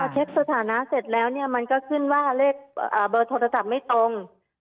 เช็คสถานะเสร็จแล้วเนี่ยมันก็ขึ้นว่าเลขเบอร์โทรศัพท์ไม่ตรง